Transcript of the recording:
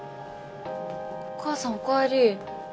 お母さんおかえり。